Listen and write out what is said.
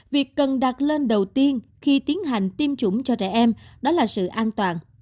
việc cần đặt lên đầu tiên khi tiến hành tiêm chủng cho trẻ em đó là sự an toàn